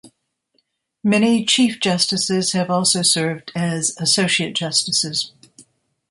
Many Chief Justices have also served as associate justices.